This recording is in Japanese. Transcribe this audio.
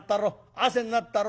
汗になったろ。